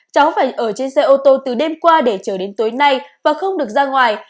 cháu phải ở trên xe ô tô từ đêm qua để chờ đến tối nay và không được ra ngoài